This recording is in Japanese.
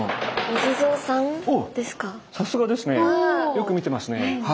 よく見てますねはい。